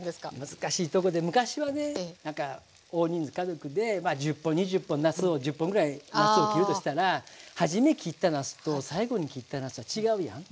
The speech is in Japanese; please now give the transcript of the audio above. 難しいとこで昔はね何か大人数家族でまあ１０本２０本なすを１０本ぐらいなすを切るとしたらはじめ切ったなすと最後に切ったなすは違うやん。